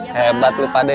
hebat lu pak de